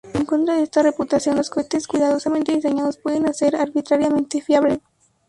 En contra de esta reputación, los cohetes cuidadosamente diseñados pueden hacerse arbitrariamente fiable.